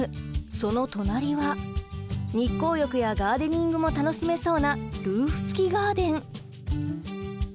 その隣は日光浴やガーデニングも楽しめそうなルーフ付きガーデン！